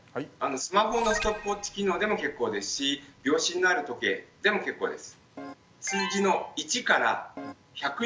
スマホのストップウォッチ機能でも結構ですし秒針のある時計でも結構です。